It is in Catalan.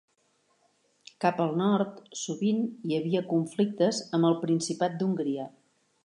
Cap al nord, sovint hi havia conflictes amb el Principat d'Hongria.